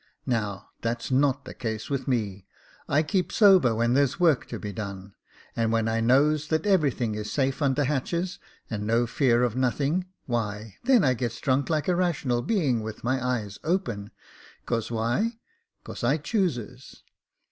Now that's not the case with me, I keep sober when there's work to be done ; and when I knows that everything is safe under hatches, and no fear of nothing, why then I gets drunk like a rational being, with my eyes open — 'cause why — 'cause I chooses."